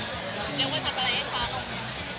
น่ารักว่าทำแล้วไหมแต่ช้าเดิม